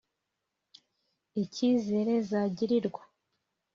icyizere zagirirwa